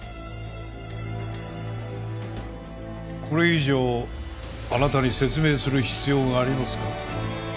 これ以上あなたに説明する必要がありますか？